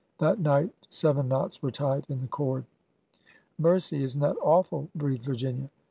That night seven knots were tied in the cord." Mercy ! is n't that awful !" breathed Virginia.